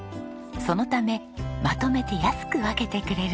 そのためまとめて安く分けてくれるんです。